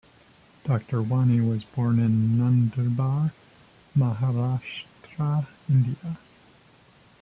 Doctor Wani was born in Nandurbar, Maharashtra, India.